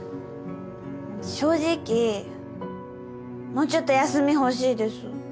正直もうちょっと休み欲しいです。